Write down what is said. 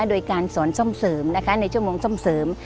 โดยการสอนซ่อมเสริมนะคะในชั่วโมงซ่อมเสริม